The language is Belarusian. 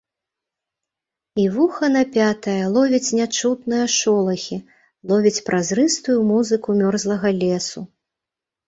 І вуха напятае ловіць нячутныя шолахі, ловіць празрыстую музыку мёрзлага лесу.